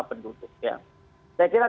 penduduk saya kira